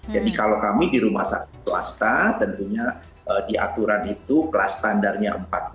jadi kalau kami di rumah sakit swasta tentunya di aturan itu kelas standarnya empat puluh